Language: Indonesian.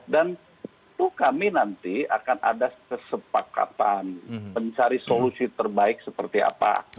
dan itu kami nanti akan ada kesepakatan mencari solusi terbaik seperti apa